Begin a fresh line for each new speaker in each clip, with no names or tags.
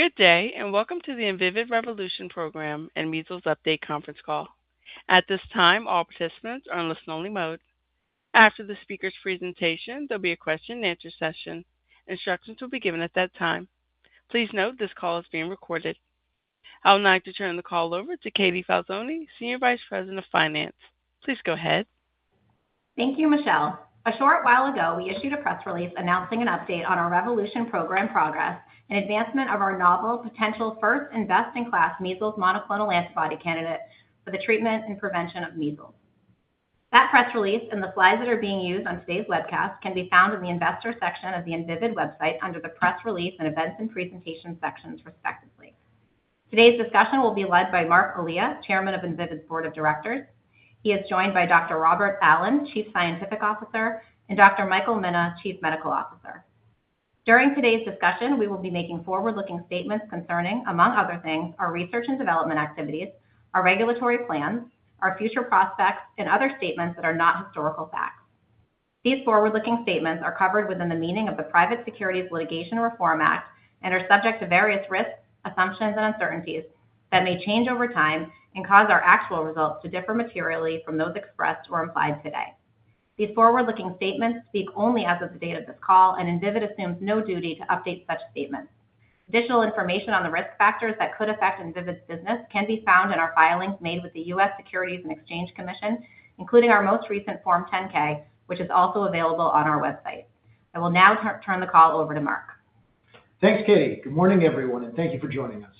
Good day, and welcome to the Invivyd Revolution Program and Measles Update conference call. At this time, all participants are in listen-only mode. After the speakers' presentation, there'll be a question and answer session. Instructions will be given at that time. Please note this call is being recorded. I would like to turn the call over to Katie Falzone, Senior Vice President of Finance. Please go ahead.
Thank you, Michelle. A short while ago, we issued a press release announcing an update on our Revolution program progress and advancement of our novel potential first-in-class measles monoclonal antibody candidate for the treatment and prevention of measles. That press release and the slides that are being used on today's webcast can be found in the investor section of the invivyd website under the press release and events and presentation sections respectively. Today's discussion will be led by Marc Elia, Chairman of Invivyd's Board of Directors. He is joined by Dr. Robert Allen, Chief Scientific Officer, and Dr. Michael Mina, Chief Medical Officer. During today's discussion, we will be making forward-looking statements concerning, among other things, our research and development activities, our regulatory plans, our future prospects, and other statements that are not historical facts. These forward-looking statements are covered within the meaning of the Private Securities Litigation Reform Act and are subject to various risks, assumptions, and uncertainties that may change over time and cause our actual results to differ materially from those expressed or implied today. These forward-looking statements speak only as of the date of this call, and Invivyd assumes no duty to update such statements. Additional information on the risk factors that could affect Invivyd's business can be found in our filings made with the U.S. Securities and Exchange Commission, including our most recent Form 10-K, which is also available on our website. I will now turn the call over to Marc Elia.
Thanks, Katie. Good morning, everyone, and thank you for joining us.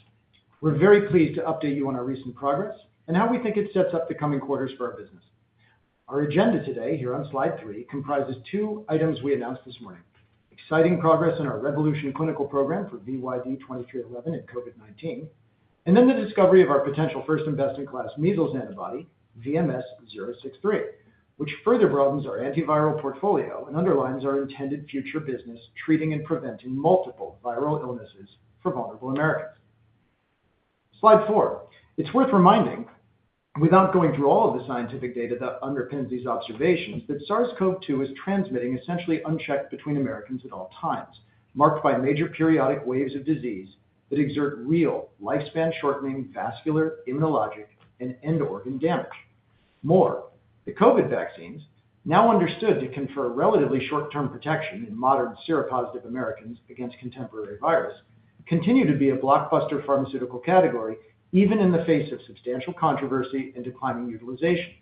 We're very pleased to update you on our recent progress and how we think it sets up the coming quarters for our business. Our agenda today here on slide three comprises two items we announced this morning: exciting progress in our REVOLUTION clinical program for VYD2311 and COVID-19, and then the discovery of our potential first-in-class measles antibody, VMS-063, which further broadens our antiviral portfolio and underlines our intended future business treating and preventing multiple viral illnesses for vulnerable Americans. Slide four. It's worth reminding, without going through all of the scientific data that underpins these observations, that SARS-CoV-2 is transmitting essentially unchecked between Americans at all times, marked by major periodic waves of disease that exert real lifespan-shortening vascular, immunologic, and end-organ damage. Moreover, the COVID vaccines, now understood to confer relatively short-term protection in modern seropositive Americans against contemporary virus, continue to be a blockbuster pharmaceutical category, even in the face of substantial controversy and declining utilization.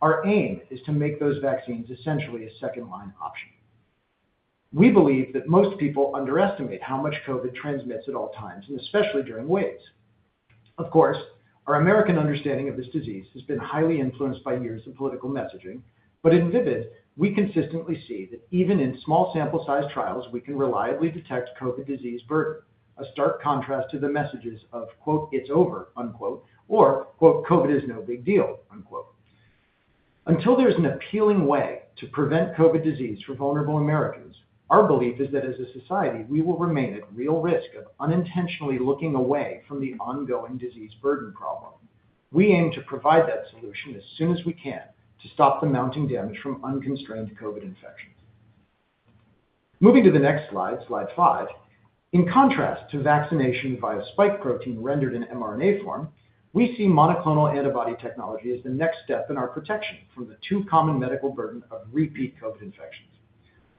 Our aim is to make those vaccines essentially a second-line option. We believe that most people underestimate how much COVID transmits at all times, and especially during waves. Of course, our American understanding of this disease has been highly influenced by years of political messaging. But at Invivyd, we consistently see that even in small sample size trials, we can reliably detect COVID disease burden, a stark contrast to the messages of, quote, "It's over," unquote or quote, "COVID is no big deal," unquote. Until there's an appealing way to prevent COVID disease for vulnerable Americans, our belief is that as a society, we will remain at real risk of unintentionally looking away from the ongoing disease burden problem. We aim to provide that solution as soon as we can to stop the mounting damage from unconstrained COVID infections. Moving to the next slide five. In contrast to vaccination via spike protein rendered in mRNA form, we see monoclonal antibody technology as the next step in our protection from the too common medical burden of repeat COVID infections.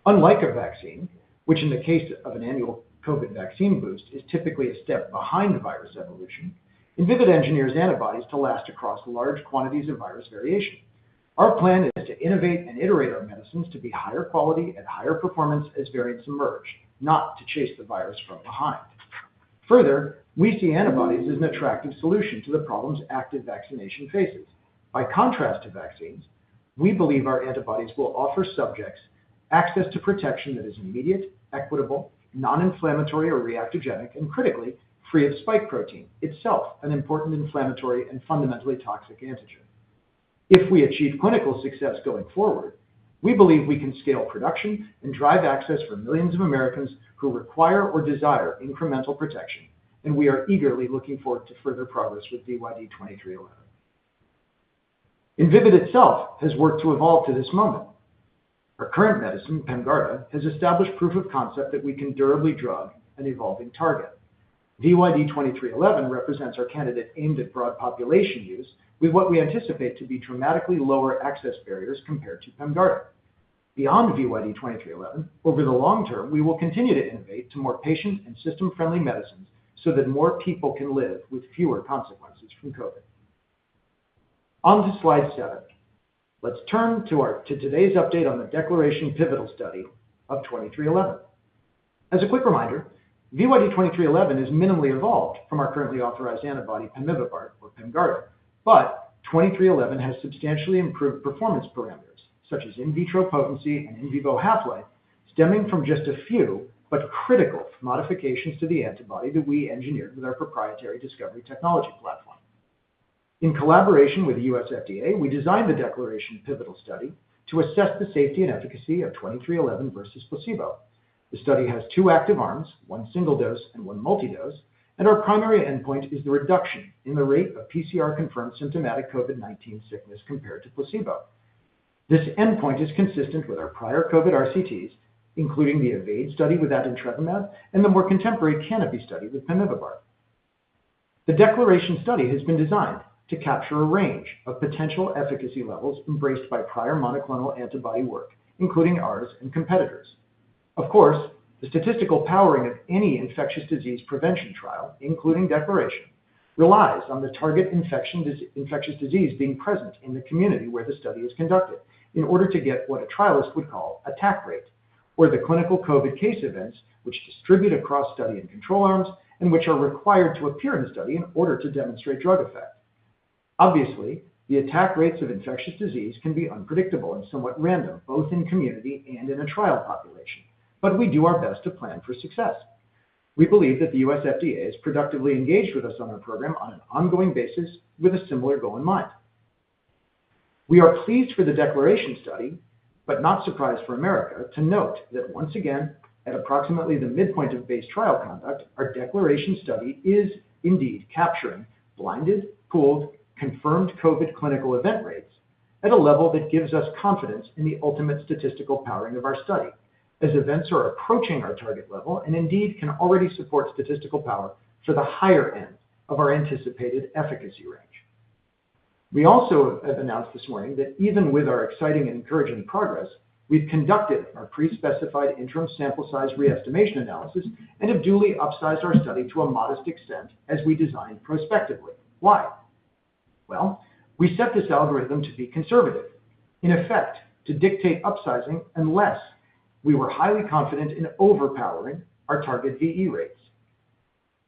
Unlike a vaccine, which in the case of an annual COVID vaccine boost is typically a step behind virus evolution, Invivyd engineers antibodies to last across large quantities of virus variation. Our plan is to innovate and iterate our medicines to be higher quality and higher performance as variants emerge, not to chase the virus from behind. Further, we see antibodies as an attractive solution to the problems active vaccination faces. By contrast to vaccines, we believe our antibodies will offer subjects access to protection that is immediate, equitable, non-inflammatory or reactogenic, and critically, free of spike protein, itself an important inflammatory and fundamentally toxic antigen. If we achieve clinical success going forward, we believe we can scale production and drive access for millions of Americans who require or desire incremental protection, and we are eagerly looking forward to further progress with VYD2311. Invivyd itself has worked to evolve to this moment. Our current medicine, PEMGARDA, has established proof of concept that we can durably drug an evolving target. VYD2311 represents our candidate aimed at broad population use with what we anticipate to be dramatically lower access barriers compared to PEMGARDA. Beyond VYD2311, over the long-term, we will continue to innovate to more patient and system-friendly medicines so that more people can live with fewer consequences from COVID. On to slide seven. Let's turn to today's update on the Declaration pivotal study of 2311. As a quick reminder, VYD2311 is minimally evolved from our currently authorized antibody, pemivibart or PEMGARDA. 2311 has substantially improved performance parameters such as in vitro potency and in vivo half-life, stemming from just a few but critical modifications to the antibody that we engineered with our proprietary discovery technology platform. In collaboration with the U.S. FDA, we designed the Declaration pivotal study to assess the safety and efficacy of 2311 versus placebo. The study has two active arms, one single dose and one multi-dose, and our primary endpoint is the reduction in the rate of PCR-confirmed symptomatic COVID-19 sickness compared to placebo. This endpoint is consistent with our prior COVID RCTs, including the EVADE study with adintrevimab and the more contemporary CANOPY study with pemivibart. The Declaration study has been designed to capture a range of potential efficacy levels embraced by prior monoclonal antibody work, including ours and competitors. Of course, the statistical powering of any infectious disease prevention trial, including Declaration, relies on the target infectious disease being present in the community where the study is conducted in order to get what a trialist would call attack rate, or the clinical COVID case events which distribute across study and control arms and which are required to appear in the study in order to demonstrate drug effect. Obviously, the attack rates of infectious disease can be unpredictable and somewhat random, both in community and in a trial population. We do our best to plan for success. We believe that the U.S. FDA is productively engaged with us on our program on an ongoing basis with a similar goal in mind. We are pleased for the Declaration study, but not surprised for America to note that once again, at approximately the midpoint of base trial conduct, our Declaration study is indeed capturing blinded, pooled, confirmed COVID-19 clinical event rates at a level that gives us confidence in the ultimate statistical powering of our study, as events are approaching our target level and indeed can already support statistical power for the higher end of our anticipated efficacy range. We also have announced this morning that even with our exciting and encouraging progress, we've conducted our pre-specified interim sample size re-estimation analysis and have duly upsized our study to a modest extent as we designed prospectively. Why? Well, we set this algorithm to be conservative, in effect, to dictate upsizing unless we were highly confident in overpowering our target VE rates.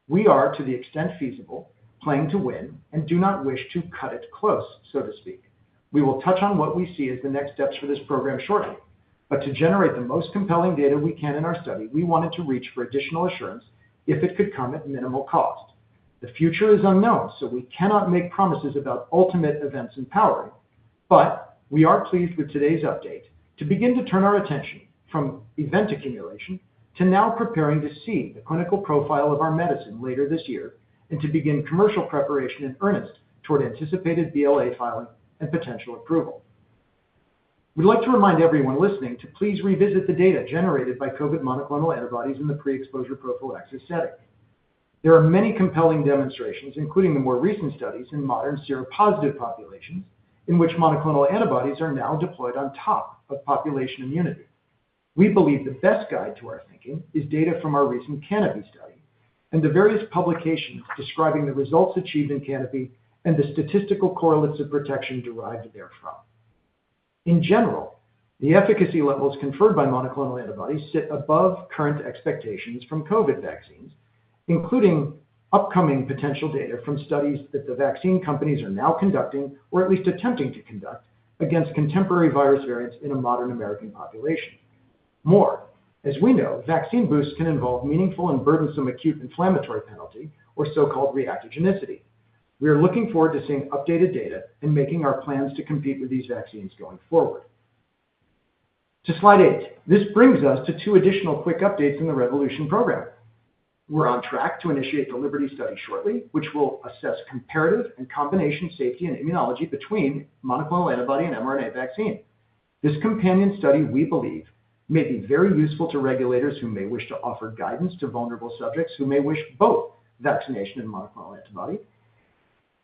We are, to the extent feasible, playing to win and do not wish to cut it close, so to speak. We will touch on what we see as the next steps for this program shortly, but to generate the most compelling data we can in our study, we wanted to reach for additional assurance if it could come at minimal cost. The future is unknown, so we cannot make promises about ultimate events and powering, but we are pleased with today's update to begin to turn our attention from event accumulation to now preparing to see the clinical profile of our medicine later this year and to begin commercial preparation in earnest toward anticipated BLA filing and potential approval. We'd like to remind everyone listening to please revisit the data generated by COVID monoclonal antibodies in the pre-exposure prophylaxis setting. There are many compelling demonstrations, including the more recent studies in modern seropositive populations in which monoclonal antibodies are now deployed on top of population immunity. We believe the best guide to our thinking is data from our recent CANOPY study and the various publications describing the results achieved in CANOPY and the statistical correlates of protection derived therefrom. In general, the efficacy levels conferred by monoclonal antibodies sit above current expectations from COVID vaccines, including upcoming potential data from studies that the vaccine companies are now conducting or at least attempting to conduct against contemporary virus variants in a modern American population. More, as we know, vaccine boosts can involve meaningful and burdensome acute inflammatory penalty or so-called reactogenicity. We are looking forward to seeing updated data and making our plans to compete with these vaccines going forward. To slide eight. This brings us to two additional quick updates in the REVOLUTION program. We're on track to initiate the LIBERTY study shortly, which will assess comparative and combination safety and immunology between monoclonal antibody and mRNA vaccine. This companion study, we believe, may be very useful to regulators who may wish to offer guidance to vulnerable subjects who may wish both vaccination and monoclonal antibody.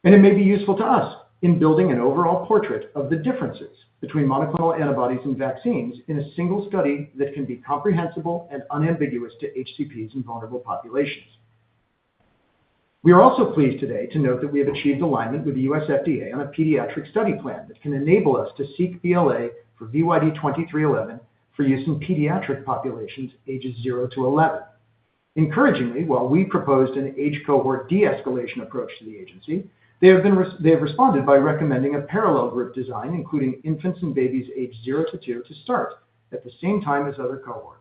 It may be useful to us in building an overall portrait of the differences between monoclonal antibodies and vaccines in a single study that can be comprehensible and unambiguous to HCPs in vulnerable populations. We are also pleased today to note that we have achieved alignment with the U.S. FDA on a pediatric study plan that can enable us to seek BLA for VYD2311 for use in pediatric populations ages 0-11. Encouragingly, while we proposed an age cohort de-escalation approach to the agency, they have responded by recommending a parallel group design, including infants and babies aged zero-two to start at the same time as other cohorts.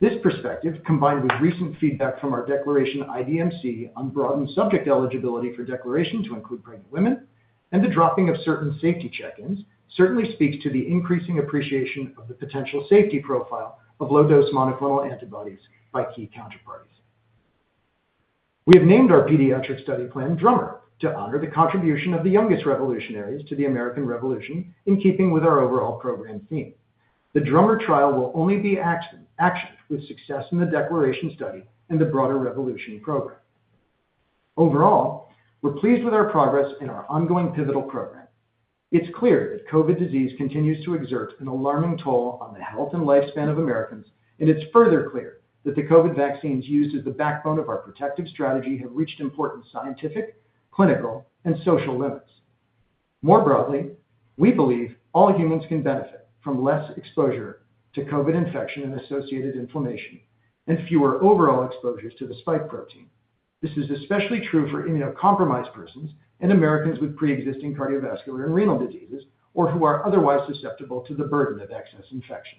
This perspective, combined with recent feedback from our DECLARATION IDMC on broadened subject eligibility for DECLARATION to include pregnant women and the dropping of certain safety check-ins, certainly speaks to the increasing appreciation of the potential safety profile of low-dose monoclonal antibodies by key counterparties. We have named our pediatric study plan DRUMMER to honor the contribution of the youngest revolutionaries to the American Revolution in keeping with our overall program theme. The DRUMMER trial will only be actioned with success in the DECLARATION study and the broader REVOLUTION program. Overall, we're pleased with our progress in our ongoing pivotal program. It's clear that COVID disease continues to exert an alarming toll on the health and lifespan of Americans, and it's further clear that the COVID vaccines used as the backbone of our protective strategy have reached important scientific, clinical, and social limits. More broadly, we believe all humans can benefit from less exposure to COVID infection and associated inflammation and fewer overall exposures to the spike protein. This is especially true for immunocompromised persons and Americans with preexisting cardiovascular and renal diseases or who are otherwise susceptible to the burden of excess infection.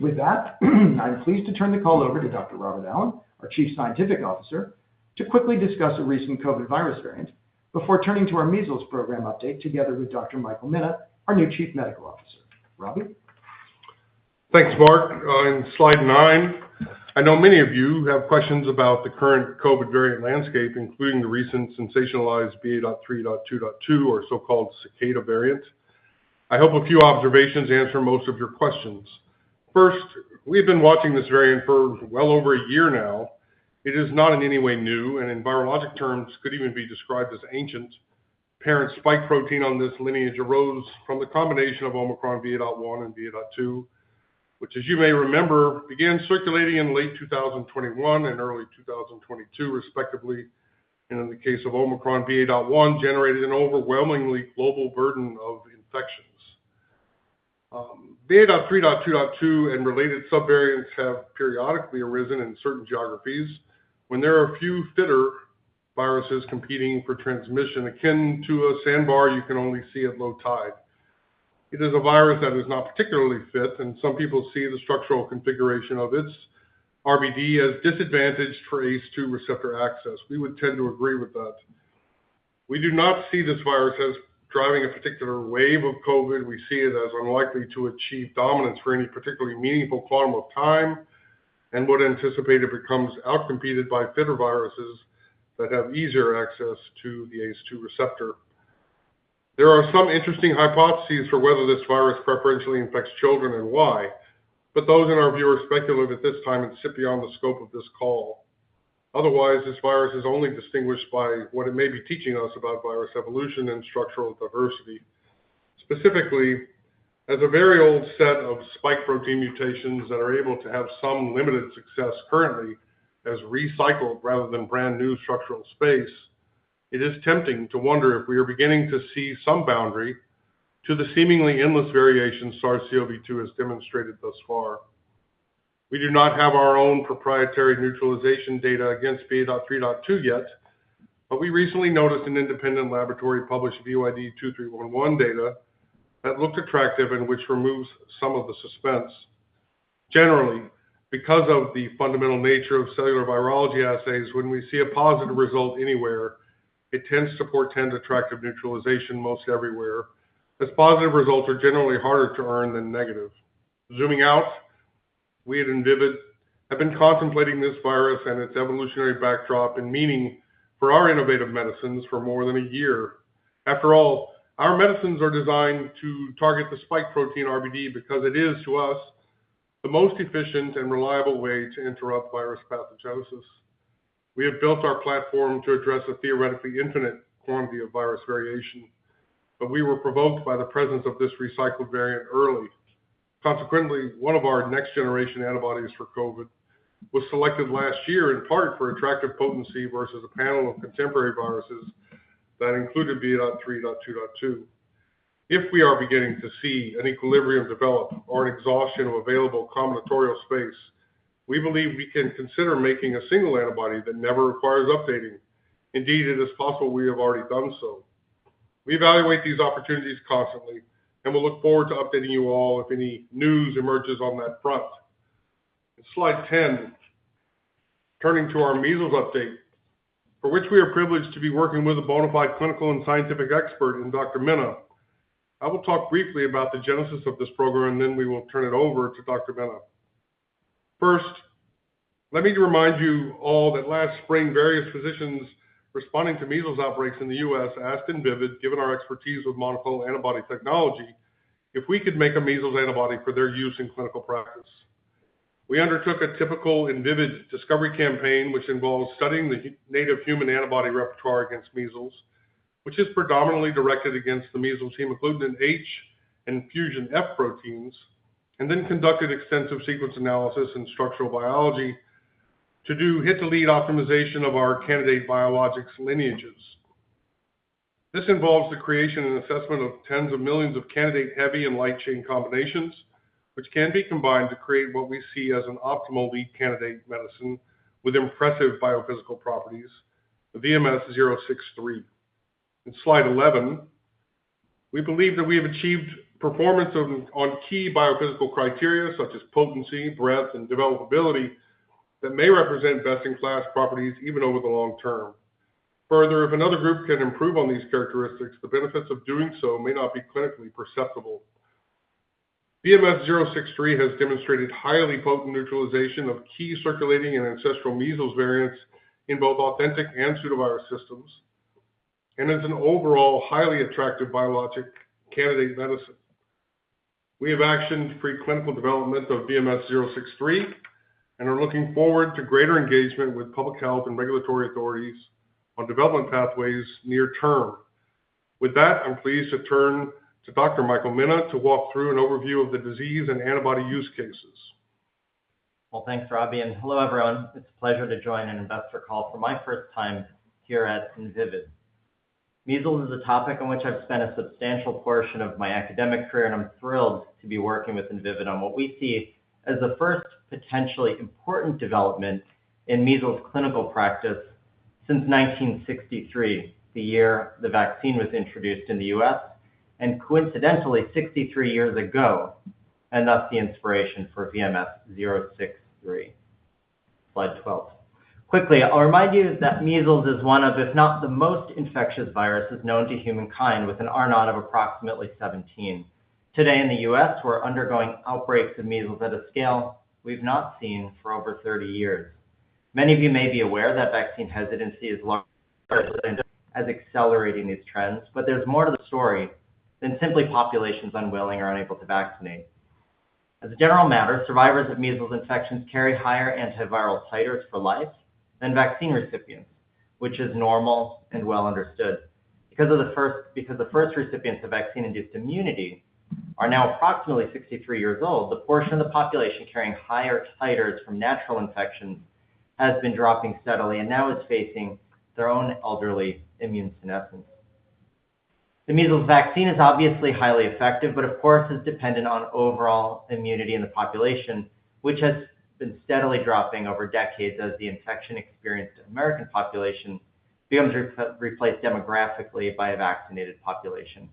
With that, I'm pleased to turn the call over to Dr. Robert Allen, our Chief Scientific Officer, to quickly discuss a recent COVID virus variant before turning to our measles program update together with Dr. Michael Mina, our new Chief Medical Officer. Robert?
Thanks, Marc. On slide nine, I know many of you have questions about the current COVID variant landscape, including the recent sensationalized BA.3.2.2, or so-called Cicada variant. I hope a few observations answer most of your questions. First, we've been watching this variant for well over a year now. It is not in any way new, and in virologic terms, could even be described as ancient. Parent spike protein on this lineage arose from the combination of Omicron BA.1 and BA.2, which, as you may remember, began circulating in late 2021 and early 2022, respectively, and in the case of Omicron BA.1, generated an overwhelmingly global burden of infections. BA.3.2.2 and related subvariants have periodically arisen in certain geographies when there are few fitter viruses competing for transmission, akin to a sandbar you can only see at low tide. It is a virus that is not particularly fit, and some people see the structural configuration of its RBD as disadvantaged for ACE2 receptor access. We would tend to agree with that. We do not see this virus as driving a particular wave of COVID. We see it as unlikely to achieve dominance for any particularly meaningful form of time and would anticipate it becomes outcompeted by fitter viruses that have easier access to the ACE2 receptor. There are some interesting hypotheses for whether this virus preferentially infects children and why, but those, in our view, are speculative at this time and sit beyond the scope of this call. Otherwise, this virus is only distinguished by what it may be teaching us about virus evolution and structural diversity. Specifically, as a very old set of spike protein mutations that are able to have some limited success currently as recycled rather than brand-new structural space, it is tempting to wonder if we are beginning to see some boundary to the seemingly endless variations SARS-CoV-2 has demonstrated thus far. We do not have our own proprietary neutralization data against BA.3.2 yet, but we recently noticed an independent laboratory-published VYD2311 data that looked attractive and which removes some of the suspense. Generally, because of the fundamental nature of cellular virology assays, when we see a positive result anywhere, it tends to portend attractive neutralization most everywhere, as positive results are generally harder to earn than negative. Zooming out, we at Invivyd have been contemplating this virus and its evolutionary backdrop and meaning for our innovative medicines for more than a year. After all, our medicines are designed to target the spike protein RBD because it is, to us, the most efficient and reliable way to interrupt virus pathogenesis. We have built our platform to address a theoretically infinite quantity of virus variation, but we were provoked by the presence of this recycled variant early. Consequently, one of our next-generation antibodies for COVID was selected last year in part for attractive potency versus a panel of contemporary viruses that included BA.3.2.2. If we are beginning to see an equilibrium develop or an exhaustion of available combinatorial space, we believe we can consider making a single antibody that never requires updating. Indeed, it is possible we have already done so. We evaluate these opportunities constantly and will look forward to updating you all if any news emerges on that front. In slide 10, turning to our measles update, for which we are privileged to be working with a bona fide clinical and scientific expert in Dr. Mina. I will talk briefly about the genesis of this program, and then we will turn it over to Dr. Mina. First, let me remind you all that last spring, various physicians responding to measles outbreaks in the U.S. asked Invivyd, given our expertise with monoclonal antibody technology, if we could make a measles antibody for their use in clinical practice. We undertook a typical Invivyd discovery campaign, which involves studying the native human antibody repertoire against measles, which is predominantly directed against the measles hemagglutinin-H and fusion F proteins, and then conducted extensive sequence analysis and structural biology to do hit-to-lead optimization of our candidate biologics lineages. This involves the creation and assessment of tens of millions of candidate heavy and light chain combinations, which can be combined to create what we see as an optimal lead candidate medicine with impressive biophysical properties, VMS-063. In slide 11, we believe that we have achieved performance on key biophysical criteria such as potency, breadth, and developability that may represent best-in-class properties even over the long-term. Further, if another group can improve on these characteristics, the benefits of doing so may not be clinically perceptible. VMS-063 has demonstrated highly potent neutralization of key circulating and ancestral measles variants in both authentic and pseudovirus systems and is an overall highly attractive biologic candidate medicine. We have actioned preclinical development of VMS-063 and are looking forward to greater engagement with public health and regulatory authorities on development pathways near-term. With that, I'm pleased to turn to Dr. Michael Mina to walk through an overview of the disease and antibody use cases.
Well, thanks, Robbie, and hello, everyone. It's a pleasure to join an investor call for my first time here at Invivyd. Measles is a topic on which I've spent a substantial portion of my academic career, and I'm thrilled to be working with Invivyd on what we see as the first potentially important development in measles clinical practice since 1963, the year the vaccine was introduced in the U.S., and coincidentally 63 years ago, and thus the inspiration for VMS-063. Slide 12. Quickly, I'll remind you that measles is one of, if not the most infectious viruses known to humankind, with an R0 of approximately 17. Today in the U.S., we're undergoing outbreaks of measles at a scale we've not seen for over 30 years. Many of you may be aware that vaccine hesitancy is along with accelerating these trends, but there's more to the story than simply populations unwilling or unable to vaccinate. As a general matter, survivors of measles infections carry higher antiviral titers for life than vaccine recipients, which is normal and well understood. Because the first recipients of vaccine-induced immunity are now approximately 63 years old, the portion of the population carrying higher titers from natural infection has been dropping steadily and now is facing their own elderly immune senescence. The measles vaccine is obviously highly effective, but of course is dependent on overall immunity in the population, which has been steadily dropping over decades as the infection-experienced American population begins to be replaced demographically by a vaccinated population.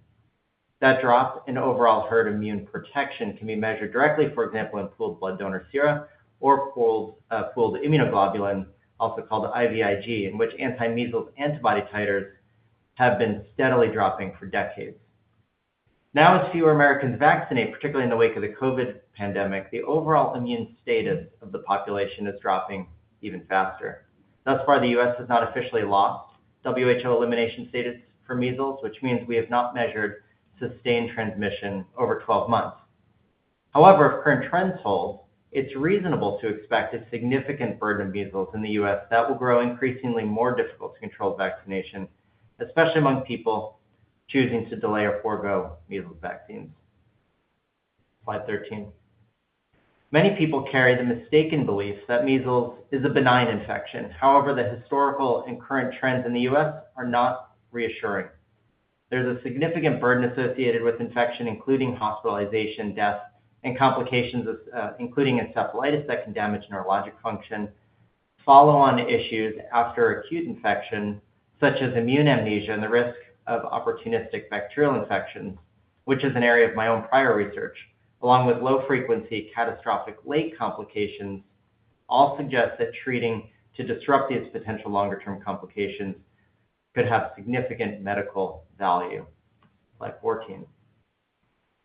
That drop in overall herd immune protection can be measured directly, for example, in pooled blood donor sera or pooled immunoglobulin, also called IVIG, in which anti-measles antibody titers have been steadily dropping for decades. Now, as fewer Americans vaccinate, particularly in the wake of the COVID pandemic, the overall immune status of the population is dropping even faster. Thus far, the U.S. has not officially lost WHO elimination status for measles, which means we have not measured sustained transmission over 12 months. However, if current trends hold, it's reasonable to expect a significant burden of measles in the U.S. that will grow increasingly more difficult to control with vaccination, especially among people choosing to delay or forgo measles vaccines. Slide 13. Many people carry the mistaken belief that measles is a benign infection. However, the historical and current trends in the U.S. are not reassuring. There's a significant burden associated with infection, including hospitalization, death, and complications, including encephalitis that can damage neurologic function, follow-on issues after acute infection, such as immune amnesia and the risk of opportunistic bacterial infections, which is an area of my own prior research, along with low-frequency catastrophic late complications. All suggest that treating to disrupt these potential longer-term complications could have significant medical value. Slide 14.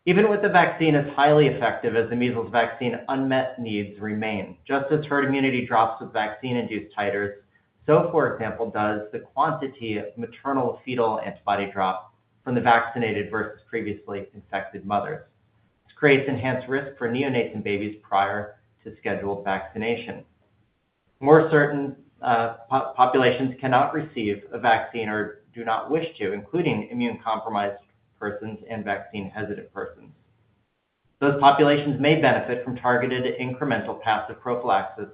Even with a vaccine as highly effective as the measles vaccine, unmet needs remain. Just as herd immunity drops with vaccine-induced titers, so, for example, does the quantity of maternal-fetal antibody drop from the vaccinated versus previously infected mothers. This creates enhanced risk for neonates and babies prior to scheduled vaccination. Moreover, certain populations cannot receive a vaccine or do not wish to, including immunocompromised persons and vaccine-hesitant persons. Those populations may benefit from targeted incremental passive prophylaxis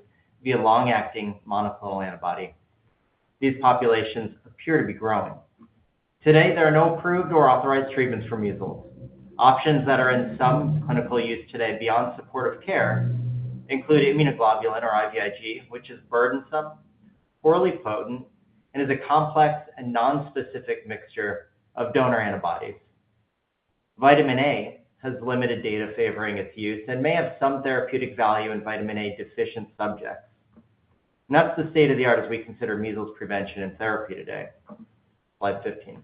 via long-acting monoclonal antibody. These populations appear to be growing. Today, there are no approved or authorized treatments for measles. Options that are in some clinical use today beyond supportive care include immunoglobulin or IVIG, which is burdensome, poorly potent, and is a complex and non-specific mixture of donor antibodies. Vitamin A has limited data favoring its use and may have some therapeutic value in vitamin A-deficient subjects. That's the state of the art as we consider measles prevention and therapy today. Slide 15.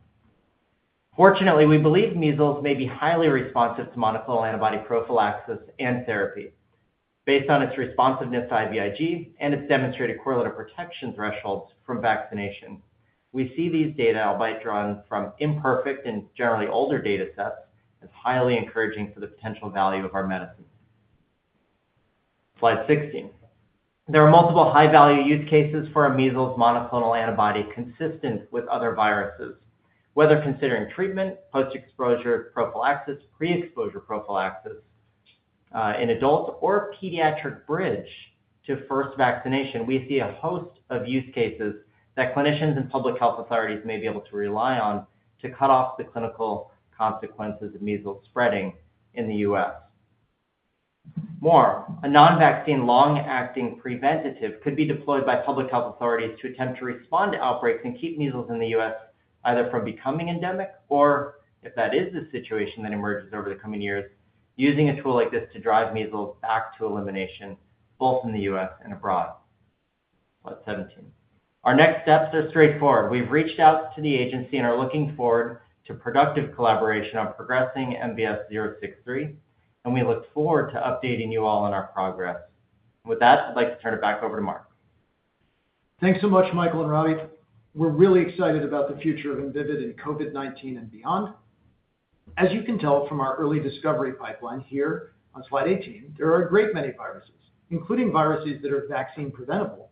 Fortunately, we believe measles may be highly responsive to monoclonal antibody prophylaxis and therapy based on its responsiveness to IVIG and its demonstrated correlative protection thresholds from vaccination. We see these data, albeit drawn from imperfect and generally older data sets, as highly encouraging for the potential value of our medicine. Slide 16. There are multiple high-value use cases for a measles monoclonal antibody consistent with other viruses. Whether considering treatment, post-exposure prophylaxis, pre-exposure prophylaxis, an adult or pediatric bridge to first vaccination, we see a host of use cases that clinicians and public health authorities may be able to rely on to cut off the clinical consequences of measles spreading in the U.S. More, a non-vaccine, long-acting preventative could be deployed by public health authorities to attempt to respond to outbreaks and keep measles in the U.S. either from becoming endemic or, if that is the situation that emerges over the coming years, using a tool like this to drive measles back to elimination, both in the U.S. and abroad. Slide 17. Our next steps are straightforward. We've reached out to the agency and are looking forward to productive collaboration on progressing VMS063, and we look forward to updating you all on our progress. With that, I'd like to turn it back over to Marc.
Thanks so much, Michael and Robbie. We're really excited about the future of Invivyd in COVID-19 and beyond. As you can tell from our early discovery pipeline here on slide 18, there are a great many viruses, including viruses that are vaccine preventable,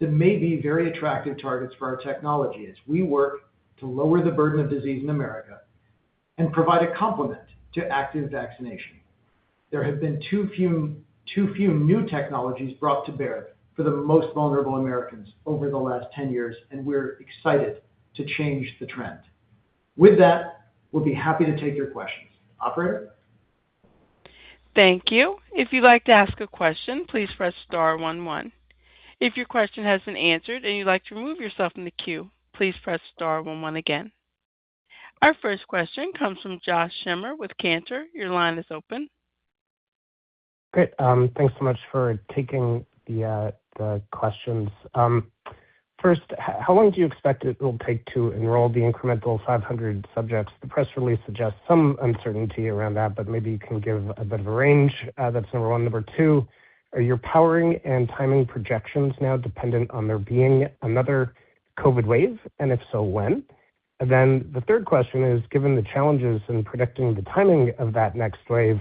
that may be very attractive targets for our technology as we work to lower the burden of disease in America and provide a complement to active vaccination. There have been too few new technologies brought to bear for the most vulnerable Americans over the last 10 years, and we're excited to change the trend. With that, we'll be happy to take your questions. Operator?
Thank you. If you'd like to ask a question, please press star one one. If your question has been answered and you'd like to remove yourself from the queue, please press star one one again. Our first question comes from Josh Schimmer with Cantor. Your line is open.
Great. Thanks so much for taking the questions. First, how long do you expect it will take to enroll the incremental 500 subjects? The press release suggests some uncertainty around that, but maybe you can give a bit of a range. That's number one. Number two, are your powering and timing projections now dependent on there being another COVID-19 wave? And if so, when? And then the third question is. Given the challenges in predicting the timing of that next wave,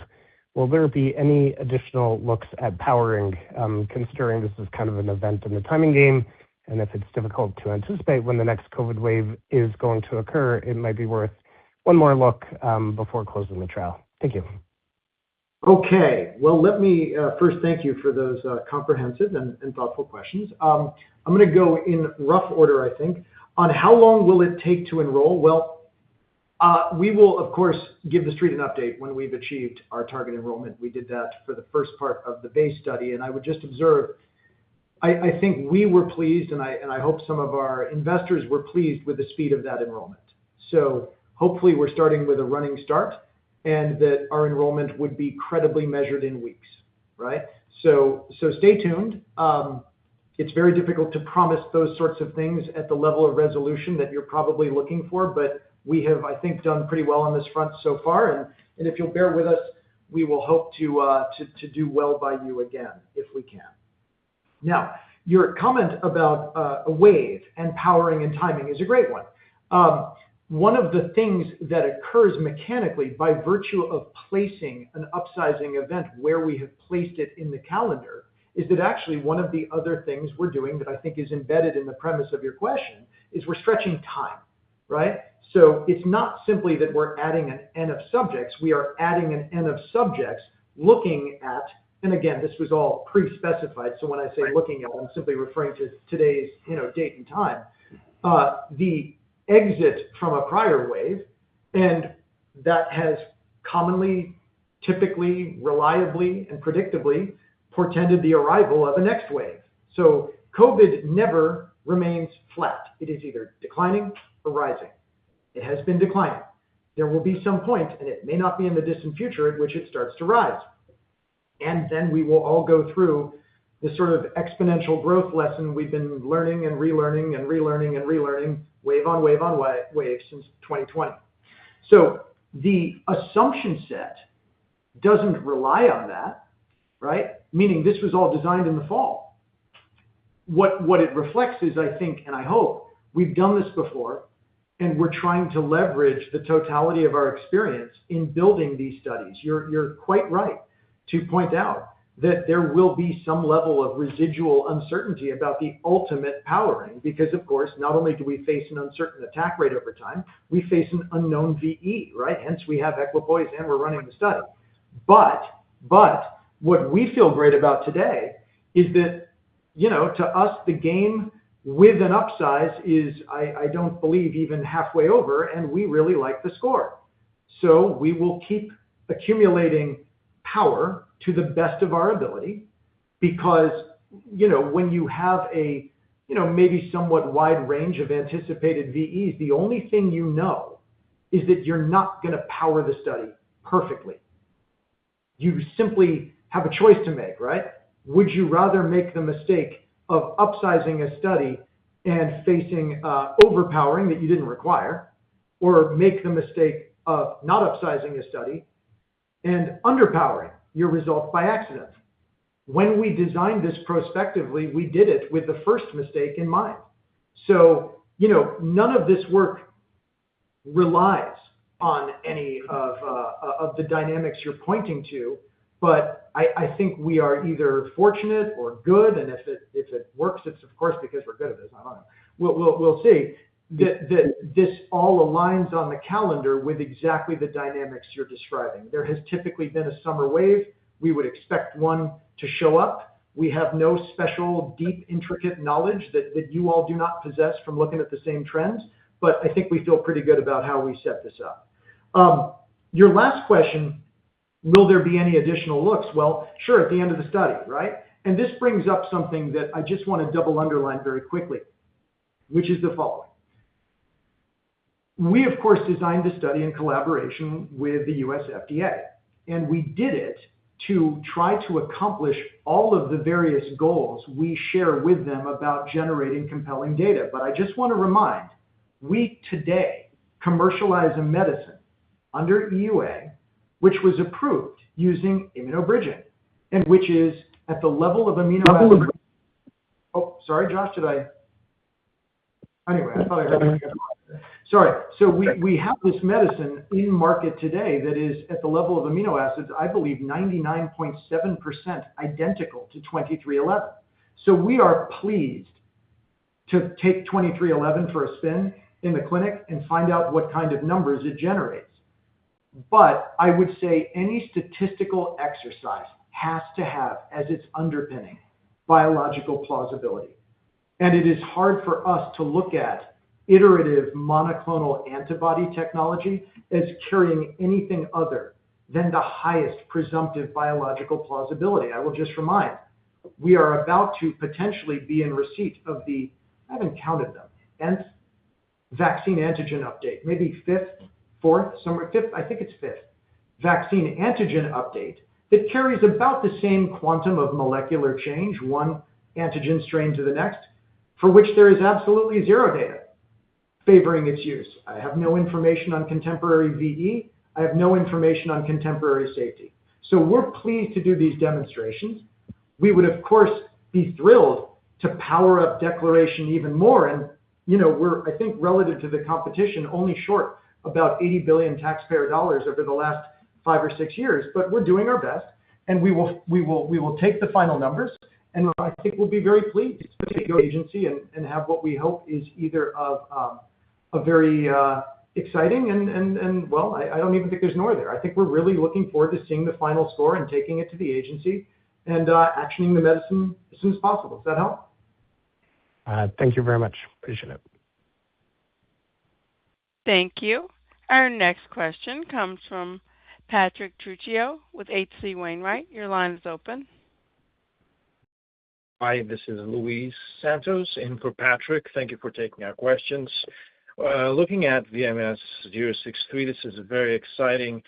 will there be any additional looks at powering, considering this is kind of an event in a timing game, and if it's difficult to anticipate when the next COVID-19 wave is going to occur, it might be worth one more look before closing the trial. Thank you.
Okay. Well, let me first thank you for those comprehensive and thoughtful questions. I'm going to go in rough order, I think. On how long will it take to enroll, well, we will, of course, give the street an update when we've achieved our target enrollment. We did that for the first part of the base study, and I would just observe, I think we were pleased, and I hope some of our investors were pleased with the speed of that enrollment. So hopefully we're starting with a running start and that our enrollment would be credibly measured in weeks. Right? So stay tuned. It's very difficult to promise those sorts of things at the level of resolution that you're probably looking for, but we have, I think, done pretty well on this front so far. If you'll bear with us, we will hope to do well by you again if we can. Now, your comment about a wave and powering and timing is a great one. One of the things that occurs mechanically by virtue of placing an upsizing event where we have placed it in the calendar is that actually one of the other things we're doing that I think is embedded in the premise of your question is we're stretching time. Right? It's not simply that we're adding an N of subjects, we are adding an N of subjects looking at, and again, this was all pre-specified, so when I say looking at, I'm simply referring to today's date and time, the exit from a prior wave, and that has commonly, typically, reliably, and predictably portended the arrival of a next wave. COVID never remains flat. It is either declining or rising. It has been declining. There will be some point, and it may not be in the distant future, at which it starts to rise. We will all go through this sort of exponential growth lesson we've been learning and relearning and relearning and relearning wave on wave on wave since 2020. The assumption set doesn't rely on that, right? Meaning this was all designed in the fall. What it reflects is, I think, and I hope, we've done this before, and we're trying to leverage the totality of our experience in building these studies. You're quite right to point out that there will be some level of residual uncertainty about the ultimate powering because of course, not only do we face an uncertain attack rate over time, we face an unknown VE, right? Hence we have equipoise and we're running the study. What we feel great about today is that, to us, the game with an upsize is I don't believe even halfway over, and we really like the score. We will keep accumulating power to the best of our ability because when you have a maybe somewhat wide range of anticipated VEs, the only thing you know is that you're not going to power the study perfectly. You simply have a choice to make, right? Would you rather make the mistake of upsizing a study and facing overpowering that you didn't require or make the mistake of not upsizing a study and underpowering your result by accident? When we designed this prospectively, we did it with the first mistake in mind. None of this work relies on any of the dynamics you're pointing to, but I think we are either fortunate or good, and if it works, it's of course because we're good at this. I don't know. We'll see that this all aligns on the calendar with exactly the dynamics you're describing. There has typically been a summer wave. We would expect one to show up. We have no special, deep, intricate knowledge that you all do not possess from looking at the same trends, but I think we feel pretty good about how we set this up. Your last question, will there be any additional looks? Well, sure, at the end of the study, right? This brings up something that I just want to double underline very quickly, which is the following. We of course designed the study in collaboration with the U.S. FDA, and we did it to try to accomplish all of the various goals we share with them about generating compelling data. I just want to remind, we today commercialize a medicine under EUA, which was approved using Immunobridging and which is at the level of amino acid-
Double the-
Oh, sorry, Josh, did I? Anyway, I thought I heard you. Sorry. We have this medicine in market today that is at the level of amino acids, I believe 99.7% identical to 2311. We are pleased to take 2311 for a spin in the clinic and find out what kind of numbers it generates. I would say any statistical exercise has to have as its underpinning biological plausibility. It is hard for us to look at iterative monoclonal antibody technology as carrying anything other than the highest presumptive biological plausibility. I will just remind. We are about to potentially be in receipt of the, I haven't counted them, nth vaccine antigen update. Fifth, I think it's fifth vaccine antigen update that carries about the same quantum of molecular change, one antigen strain to the next, for which there is absolutely zero data favoring its use. I have no information on contemporary VE. I have no information on contemporary safety. We're pleased to do these demonstrations. We would, of course, be thrilled to power up Declaration even more. We're, I think, relative to the competition, only short about $80 billion taxpayer dollars over the last five or six years. We're doing our best, and we will take the final numbers, and I think we'll be very pleased to take to the agency and have what we hope is either a very exciting and, well, I don't even think there's an or there. I think we're really looking forward to seeing the final score and taking it to the agency and actioning the medicine as soon as possible. Does that help?
Thank you very much. Appreciate it.
Thank you. Our next question comes from Patrick Trucchio with H.C. Wainwright. Your line is open.
Hi, this is Luis Santos in for Patrick. Thank you for taking our questions. Looking at VMS-063, this is a very exciting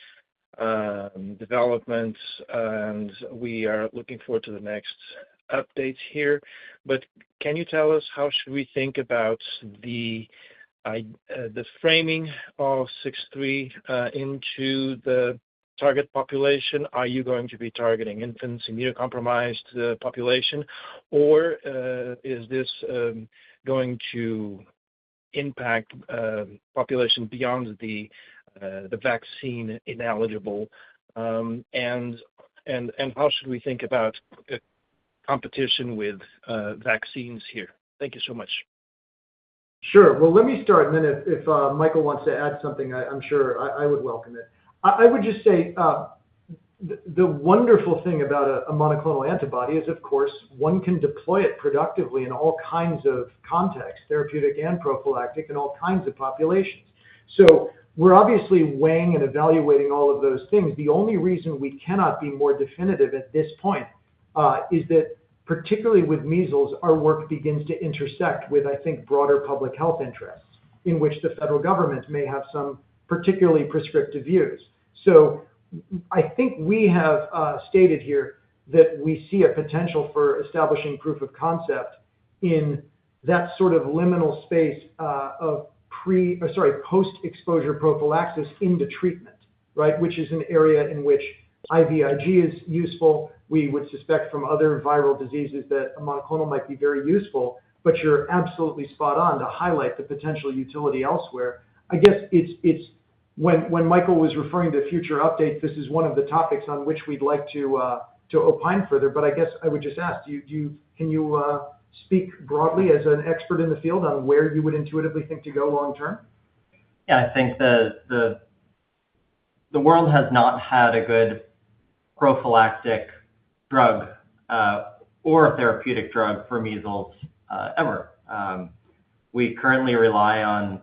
development, and we are looking forward to the next updates here. Can you tell us how should we think about the framing of 063 into the target population? Are you going to be targeting infants, immunocompromised population, or is this going to impact population beyond the vaccine-ineligible, and how should we think about competition with vaccines here? Thank you so much.
Sure. Well, let me start, and then if Michael wants to add something, I'm sure I would welcome it. I would just say, the wonderful thing about a monoclonal antibody is, of course, one can deploy it productively in all kinds of contexts, therapeutic and prophylactic, in all kinds of populations. We're obviously weighing and evaluating all of those things. The only reason we cannot be more definitive at this point is that particularly with measles, our work begins to intersect with, I think, broader public health interests in which the federal government may have some particularly prescriptive views. I think we have stated here that we see a potential for establishing proof of concept in that sort of liminal space of post-exposure prophylaxis into treatment, which is an area in which IVIG is useful. We would suspect from other viral diseases that a monoclonal might be very useful, but you're absolutely spot on to highlight the potential utility elsewhere. I guess it's when Michael was referring to future updates, this is one of the topics on which we'd like to opine further. I guess I would just ask, can you speak broadly as an expert in the field on where you would intuitively think to go long-term?
Yeah, I think the world has not had a good prophylactic drug or a therapeutic drug for measles ever. We currently rely on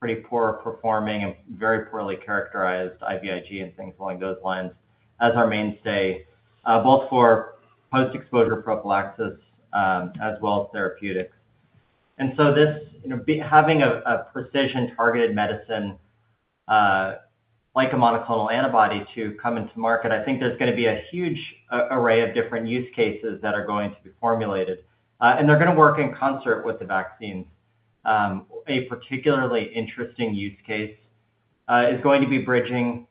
pretty poor-performing and very poorly characterized IVIG and things along those lines as our mainstay, both for post-exposure prophylaxis as well as therapeutics. Having a precision-targeted medicine like a monoclonal antibody to come into market, I think there's going to be a huge array of different use cases that are going to be formulated, and they're going to work in concert with the vaccines. A particularly interesting use case is going to be bridging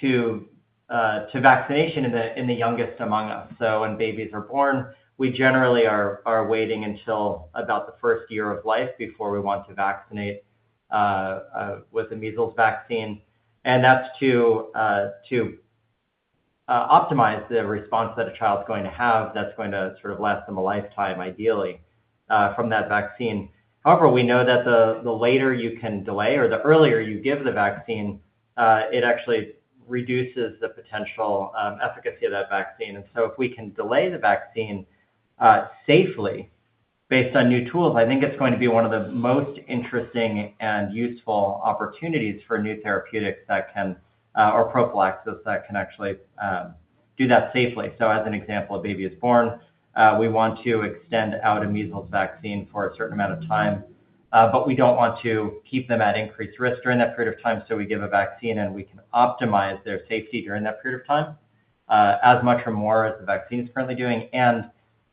to vaccination in the youngest among us. When babies are born, we generally are waiting until about the first-year of life before we want to vaccinate with the measles vaccine. That's to optimize the response that a child's going to have that's going to sort of last them a lifetime, ideally, from that vaccine. However, we know that the later you can delay or the earlier you give the vaccine, it actually reduces the potential efficacy of that vaccine. If we can delay the vaccine safely based on new tools, I think it's going to be one of the most interesting and useful opportunities for new therapeutics or prophylaxis that can actually do that safely. As an example, a baby is born, we want to extend out a measles vaccine for a certain amount of time. We don't want to keep them at increased risk during that period of time, so we give a vaccine, and we can optimize their safety during that period of time as much or more as the vaccine's currently doing and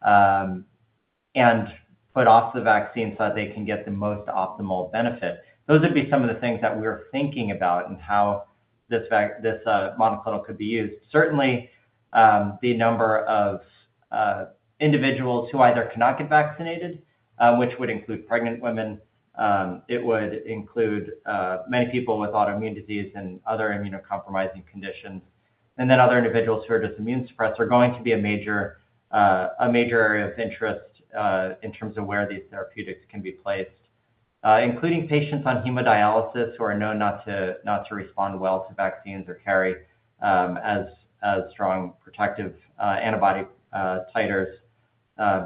put off the vaccine so that they can get the most optimal benefit. Those would be some of the things that we're thinking about and how this monoclonal could be used. Certainly, the number of individuals who either cannot get vaccinated, which would include pregnant women, it would include many people with autoimmune disease and other immunocompromising conditions, and then other individuals who are just immunosuppressed are going to be a major area of interest in terms of where these therapeutics can be placed including patients on hemodialysis who are known not to respond well to vaccines or carry as strong protective antibody titers.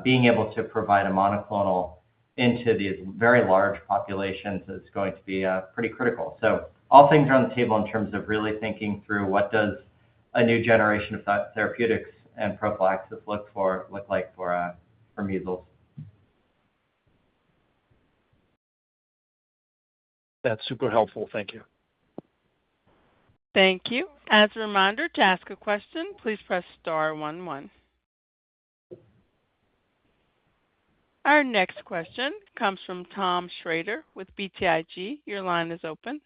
Being able to provide a monoclonal into these very large populations is going to be pretty critical. All things are on the table in terms of really thinking through what does a new generation of therapeutics and prophylaxis look like for measles.
That's super helpful. Thank you.
Thank you. As a reminder, to ask a question, please press star one one. Our next question comes from Tom Shrader with BTIG. Your line is open.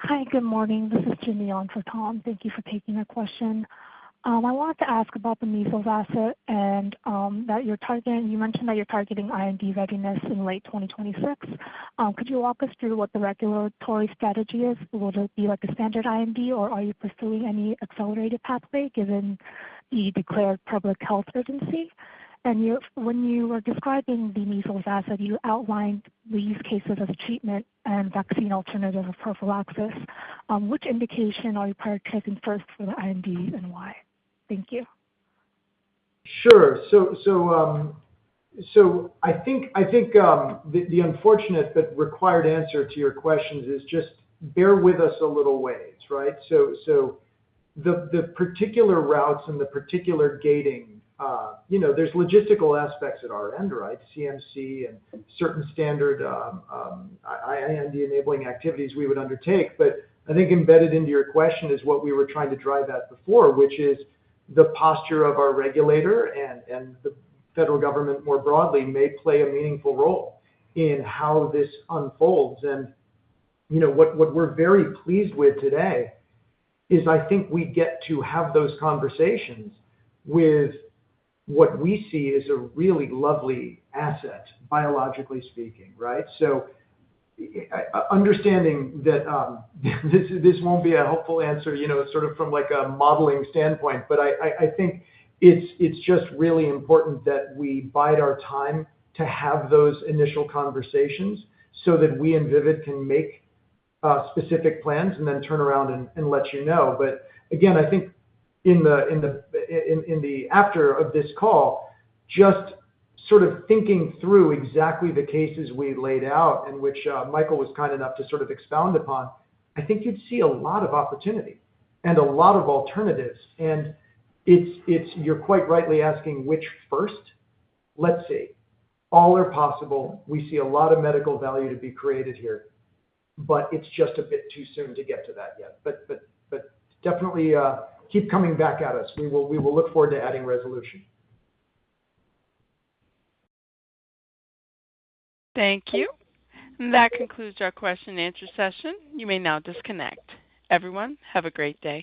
Hi. Good morning. This is Jimmy on for Tom Schrader. Thank you for taking our question. I wanted to ask about the measles asset and that you're targeting. You mentioned that you're targeting IND readiness in late 2026. Could you walk us through what the regulatory strategy is? Will it be like a standard IND or are you pursuing any accelerated pathway given the declared public health urgency? When you were describing the measles asset, you outlined the use cases of treatment and vaccine alternative or prophylaxis. Which indication are you prioritizing first for the IND and why? Thank you.
Sure. I think the unfortunate but required answer to your questions is just bear with us a little ways, right? The particular routes and the particular gating, there's logistical aspects at our end, right, CMC and certain standard IND-enabling activities we would undertake. I think embedded into your question is what we were trying to drive at before, which is the posture of our regulator and the federal government more broadly may play a meaningful role in how this unfolds. What we're very pleased with today is I think we get to have those conversations with what we see as a really lovely asset, biologically speaking, right? Understanding that this won't be a helpful answer sort of from like a modeling standpoint, but I think it's just really important that we bide our time to have those initial conversations so that we and Invivyd can make specific plans and then turn around and let you know. Again, I think in the after of this call, just sort of thinking through exactly the cases we laid out and which Michael was kind enough to sort of expound upon, I think you'd see a lot of opportunity and a lot of alternatives. You're quite rightly asking which first. Let's see. All are possible. We see a lot of medical value to be created here, but it's just a bit too soon to get to that yet. Definitely keep coming back at us. We will look forward to adding resolution.
Thank you. That concludes our question and answer session. You may now disconnect. Everyone, have a great day.